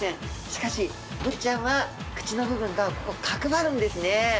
しかしブリちゃんは口の部分が角ばるんですね。